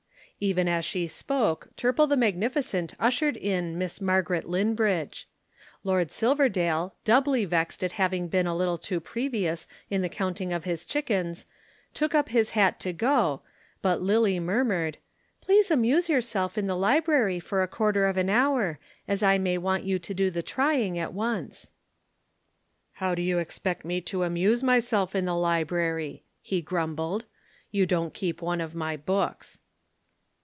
Even as she spoke Turple the magnificent ushered in Miss Margaret Linbridge. Lord Silverdale, doubly vexed at having been a little too previous in the counting of his chickens, took up his hat to go, but Lillie murmured: "Please amuse yourself in the library for a quarter of an hour, as I may want you to do the trying at once." "How do you expect me to amuse myself in the library?" he grumbled. "You don't keep one of my books."